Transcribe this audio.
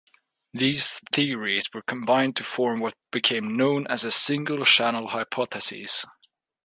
These theories were combined to form what became known as the single channel hypothesis.